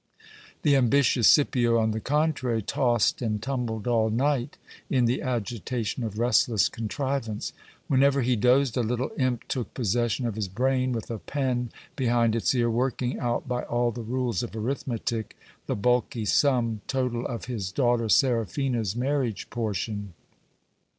The ambitious Scipio, on the contrary, tossed and tumbled all night in the agitation of restless contrivance. Whenever he dozed a little imp took possession of his brain, with a pen behind its ear, working out by all the rules of arithmetic the bulky sum total of his daughter Seraphina's marriage portion.